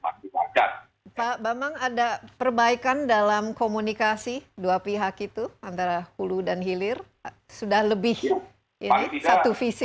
pak bambang ada perbaikan dalam komunikasi dua pihak itu antara hulu dan hilir sudah lebih satu visi